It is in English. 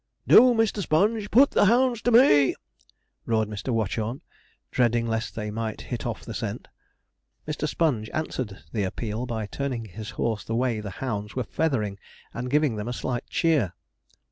'Do, Mr. Sponge, put the hounds to me!' roared Mr. Watchorn, dreading lest they might hit off the scent. Mr. Sponge answered the appeal by turning his horse the way the hounds were feathering, and giving them a slight cheer.